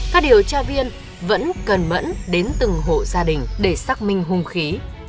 các điều tra viên vẫn cần mẫn đến từng hộ gia đình để xác minh hung khí